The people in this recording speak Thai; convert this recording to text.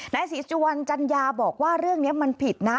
นายศรีสุวรรณจัญญาบอกว่าเรื่องนี้มันผิดนะ